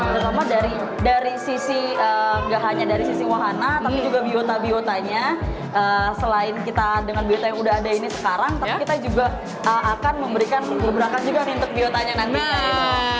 terutama dari sisi gak hanya dari sisi wahana tapi juga biota biotanya selain kita dengan biota yang udah ada ini sekarang tapi kita juga akan memberikan gebrakan juga nih untuk biotanya nanti